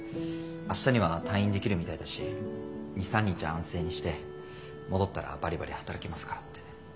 明日には退院できるみたいだし２３日安静にして戻ったらバリバリ働きますからって。